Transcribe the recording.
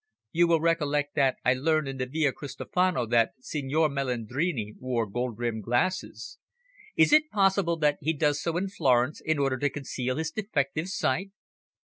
You will recollect that I learned in the Via Cristofano that the Signor Melandrini wore gold rimmed glasses. Is it possible that he does so in Florence in order to conceal his defective sight?"